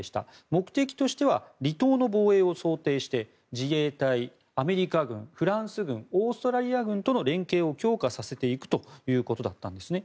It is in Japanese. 目的としては離島の防衛を想定して自衛隊、アメリカ軍、フランス軍オーストラリア軍との連携を強化させていくということだったんですね。